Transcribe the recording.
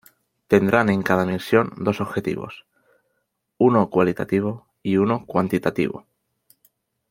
Tendrán en cada misión, dos objetivos: uno cualitativo y uno cuantitativo.